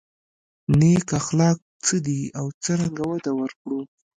نېک اخلاق څه دي او څرنګه وده ورکړو.